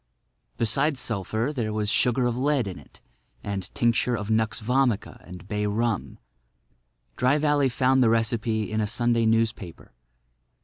Besides sulphur there was sugar of lead in it and tincture of nux vomica and bay rum. Dry Valley found the recipe in a Sunday newspaper.